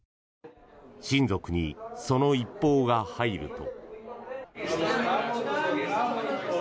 親族にその一報が入ると。